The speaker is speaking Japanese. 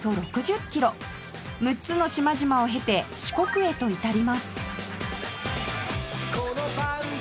６つの島々を経て四国へと至ります